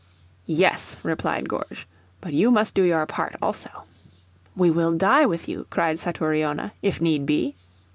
"Yes," replied Gourges, "but you must do your part also." "We will die with you," cried Satouriona, "if need be."